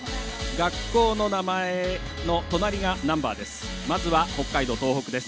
学校の名前の隣がナンバーです。